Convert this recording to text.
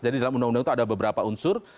jadi dalam undang undang itu ada beberapa unsur